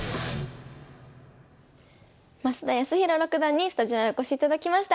増田康宏六段にスタジオへお越しいただきました。